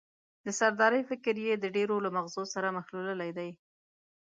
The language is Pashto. د سردارۍ فکر یې د ډېرو له مغزو سره مښلولی دی.